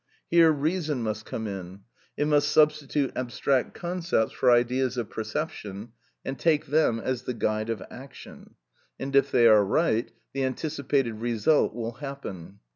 Here reason must come in; it must substitute abstract concepts for ideas of perception, and take them as the guide of action; and if they are right, the anticipated result will happen.